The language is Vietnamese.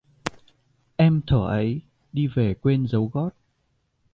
Em thuở ấy đi về quên dấu gót